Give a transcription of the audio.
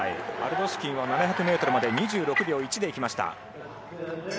アルドシュキンは７００ｍまで２６秒１でいきました。